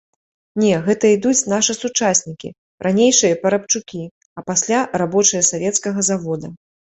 Не, гэта ідуць нашы сучаснікі, ранейшыя парабчукі, а пасля рабочыя савецкага завода.